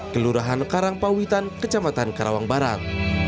kelurahan karangpawitan kecamatan karawang barat